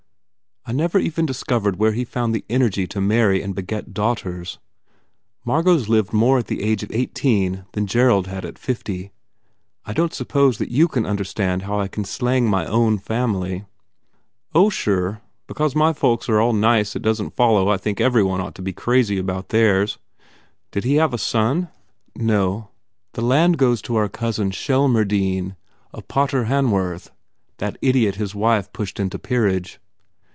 I never even discovered where he found the energy to marry and beget daughters. Margot s lived more at the age of eighteen than Gerald had at fifty. I don t suppose that you can understand how I can slang my own family." "Oh, sure. Because my folks are all nice it don t follow I think every one ought to be crazy about theirs. Did he have a son?" "No. The land goes to our cousin Shelmar dine of Potterhanworth that idiot his wife pushed into Peerage.